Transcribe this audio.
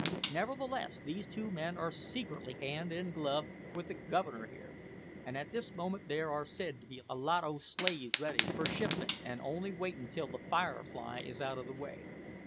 Nevertheless these two men are secretly hand and glove with the Governor here, and at this moment there are said to be a lot o' slaves ready for shipment and only waitin' till the `Firefly' is out of the way.